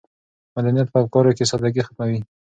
مدنیت په افکارو کې سادګي ختموي.